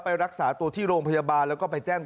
รักษาตัวที่โรงพยาบาลแล้วก็ไปแจ้ง